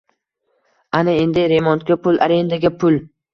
Ana endi remontga pul, arendaga pul